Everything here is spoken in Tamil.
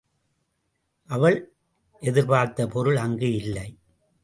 அவள் எதிர்பார்த்த பொருள் அங்கு இல்லை.